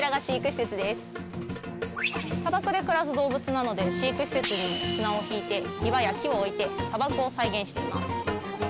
砂漠で暮らす動物なので飼育施設に砂を敷いて岩や木をおいて砂漠を再現しています